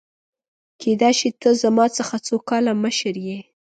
کيدای شي ته زما څخه څو کاله مشر يې !؟